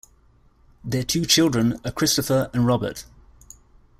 Their two children are Christopher and Robert.